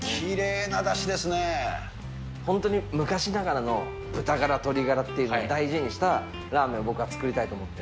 本当に昔ながらの豚ガラ、鶏ガラっていうのを大事にしたラーメンを僕は作りたいと思って。